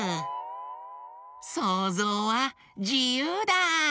そうぞうはじゆうだ！